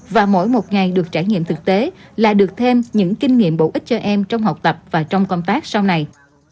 và mỗi một ngày được trải nghiệm thực tế là được thêm những kinh nghiệm bổ ích cho em trong học tập và trong công tác sau này